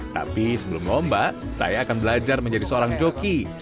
tapi sebelum lomba saya akan belajar menjadi seorang joki